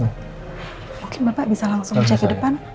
mungkin bapak bisa langsung cek ke depan